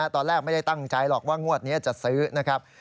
ตอนแรกไม่ได้ตั้งใจหรอกว่างวดนี้จะซื้อนะครับ